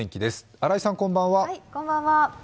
新井さん、こんばんは。